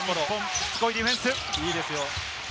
しつこいディフェンス。